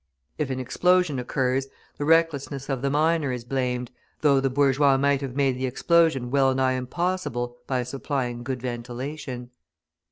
If an explosion occurs, the recklessness of the miner is blamed, though the bourgeois might have made the explosion well nigh impossible by supplying good ventilation.